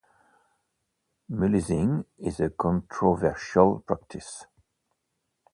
Mulesing is a controversial practice.